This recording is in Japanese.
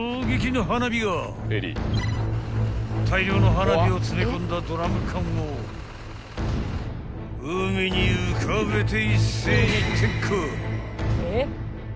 ［大量の花火を詰め込んだドラム缶を海に浮かべて］